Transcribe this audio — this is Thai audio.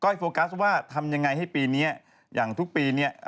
อย่างยังไงให้ปีนี้อย่างทุกปีเนี่ย